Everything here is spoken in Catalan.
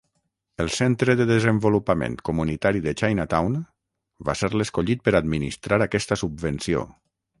El Centre de desenvolupament comunitari de Chinatown va ser l'escollit per administrar aquesta subvenció.